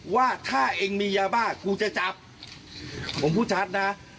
ว่าถ้าเองมียาบ้ากูจะจับผมพูดชัดนะ